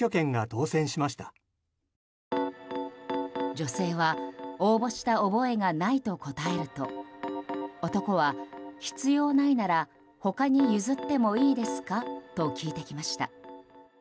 女性は、応募した覚えがないと答えると男は、必要ないなら他に譲ってもいいですか？と聞いてきました。